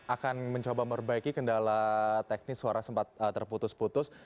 akan mencoba memperbaiki kendala teknis suara sempat terputus putus